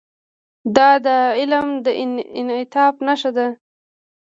دا د علم د انعطاف نښه ده.